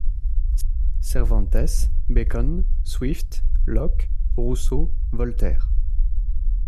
Cervantes, Bacon, Swift, Locke, Rousseau, Voltaire.